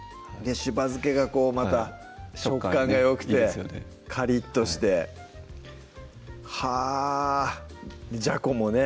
しば漬けがこうまた食感がよくてカリッとしてはぁじゃこもね